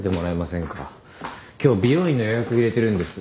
今日美容院の予約入れてるんです。